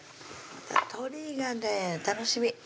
鶏がね楽しみ